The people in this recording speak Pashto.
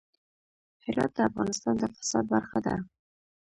هرات د افغانستان د اقتصاد برخه ده.